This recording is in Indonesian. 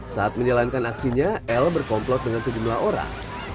saat menjalankan aksinya l berkomplot dengan sejumlah orang